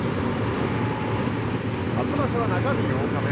初場所は中日８日目。